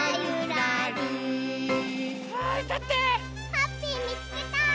ハッピーみつけた！